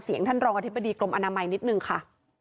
ท่านรองอธิบดีกรมอนามัยนิดนึงค่ะ